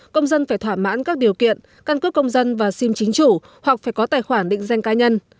công dân phải thỏa mãn các điều kiện căn cước công dân và sim chính chủ hoặc phải có tài khoản định danh cá nhân